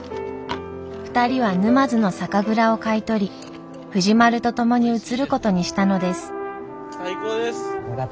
２人は沼津の酒蔵を買い取り藤丸と共に移ることにしたのです。